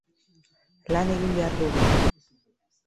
Lan egin behar dugu.